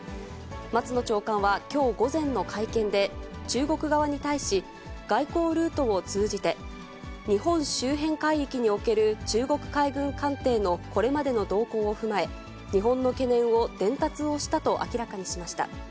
松野長官は、きょう午前の会見で、中国側に対し、外交ルートを通じて、日本周辺海域における中国海軍艦艇のこれまでの動向を踏まえ、日本の懸念を伝達をしたと明らかにしました。